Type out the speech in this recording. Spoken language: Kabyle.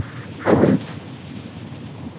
Awim-t.